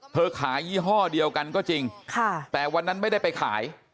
ขายยี่ห้อเดียวกันก็จริงแต่วันนั้นไม่ได้ไปขาย